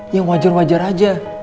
yang wajar wajar aja